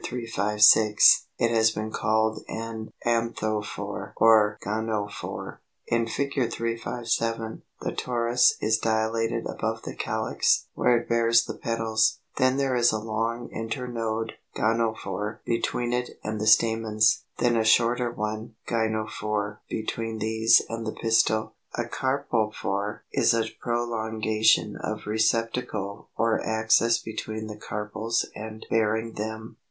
356), it has been called an ANTHOPHORE or GONOPHORE. In Fig. 357 the torus is dilated above the calyx where it bears the petals, then there is a long internode (gonophore) between it and the stamens; then a shorter one (gynophore) between these and the pistil. 324. =A Carpophore= is a prolongation of receptacle or axis between the carpels and bearing them.